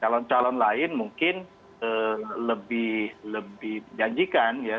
calon calon lain mungkin lebih dijanjikan ya